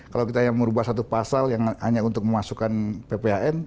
kalau kita hanya merubah satu pasal yang hanya untuk memasukkan pphn